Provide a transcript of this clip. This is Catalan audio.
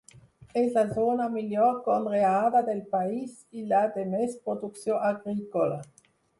És la zona millor conreada del país i la de més producció agrícola.